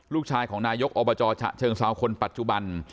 ลูกชายของนายกอบจฉะเชิงเซาคนปัจจุบัน